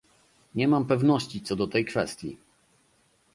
Nie mam pewności co do tej kwestii